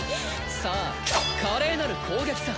さあ華麗なる攻撃さ。